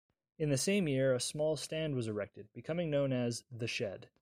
In the same year a small stand was erected, becoming known as 'the Shed'.